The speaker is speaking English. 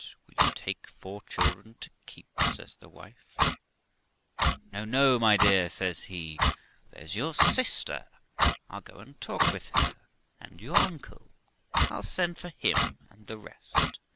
will you take four children to keep ?' says the wife. 206 THE LIFE OF ROXANA ' No, no, my au ', says he, ' there's your sister , I'll go and talk with her; and your uncle , I'll send for him, and the rest.